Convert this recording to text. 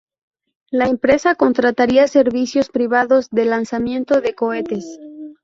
La empresa contrataría servicios privados de lanzamiento de cohetes.